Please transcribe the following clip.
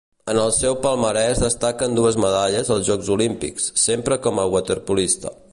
En el seu palmarès destaquen dues medalles als Jocs Olímpics, sempre com a waterpolista.